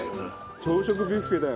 「朝食ビュッフェだよ」